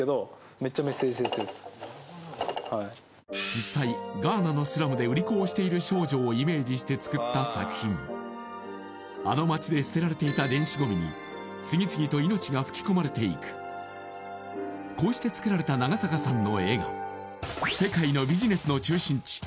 実際ガーナのスラムで売り子をしている少女をイメージして作った作品あの街で捨てられていたこうして作られた長坂さんの絵が世界のビジネスの中心地